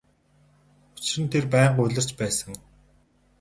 Учир нь тэр байнга улирч байсан.